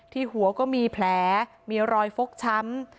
หัวก็มีแผลมีรอยฟกช้ำ